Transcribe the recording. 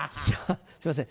すいません